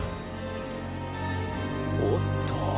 おっと？